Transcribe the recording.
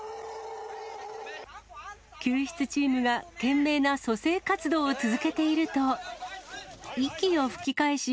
救出チームが懸命な蘇生活動を続けていると、息を吹き返し、